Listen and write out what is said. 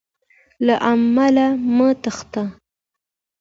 له علمه مه تښته.